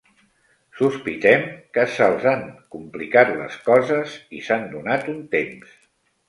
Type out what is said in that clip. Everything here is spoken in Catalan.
Sospitem que se'ls han complicat les coses i s'han donat un temps.